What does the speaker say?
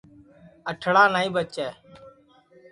اٹھڑا نائی بچے